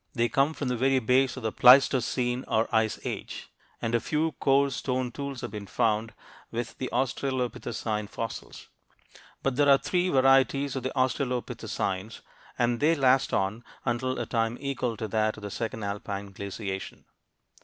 They come from the very base of the Pleistocene or Ice Age, and a few coarse stone tools have been found with the australopithecine fossils. But there are three varieties of the australopithecines and they last on until a time equal to that of the second alpine glaciation.